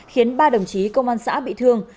khiến ba đồng chí công an xã bị thương